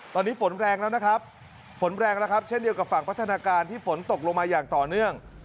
ตอนนี้ฝนแรงแล้วนะครับฝนแรงแล้วครับเช่นเดียวกับฝั่งพัฒนาการที่ฝนตกลงมาอย่างต่อเนื่อง